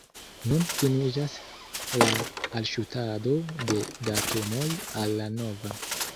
Nun finiĝas la alŝutado de datumoj al la nova.